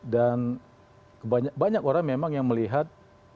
dan banyak orang memang yang melihat